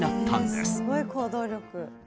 すごい行動力！